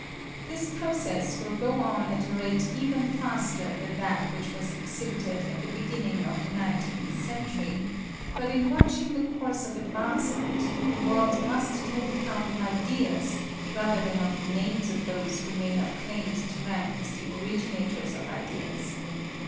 This process will go on at a rate even faster than that which was exhibited at the beginning of the nineteenth century; but in watching the course of advancement, the world must take count of ideas rather than of the names of those who may have claims to rank as the originators of ideas.